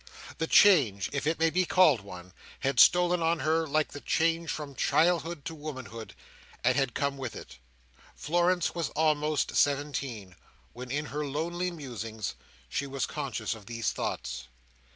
The change, if it may be called one, had stolen on her like the change from childhood to womanhood, and had come with it. Florence was almost seventeen, when, in her lonely musings, she was conscious of these thoughts.